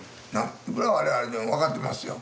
それは我々でも分かってますよ。